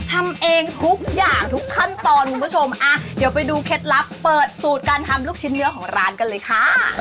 ทำเองทุกอย่างทุกขั้นตอนคุณผู้ชมอ่ะเดี๋ยวไปดูเคล็ดลับเปิดสูตรการทำลูกชิ้นเนื้อของร้านกันเลยค่ะ